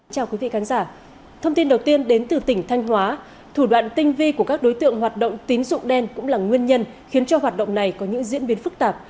chào quý vị khán giả thông tin đầu tiên đến từ tỉnh thanh hóa thủ đoạn tinh vi của các đối tượng hoạt động tín dụng đen cũng là nguyên nhân khiến cho hoạt động này có những diễn biến phức tạp